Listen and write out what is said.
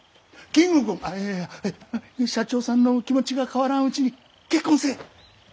金吾君ああいやいや社長さんの気持ちが変わらんうちに結婚せ。